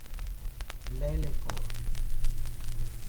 Lele Corvi